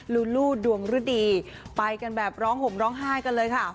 ลูลูดวงฤดีไปกันแบบร้องห่มร้องไห้กันเลยค่ะ